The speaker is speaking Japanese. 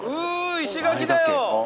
石垣だよ！